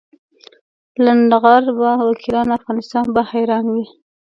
لنډه غر به وکیلان او افغانستان به حیران وي.